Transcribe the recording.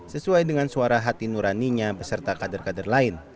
sesuai dengan suara hati nuraninya beserta kader kader lain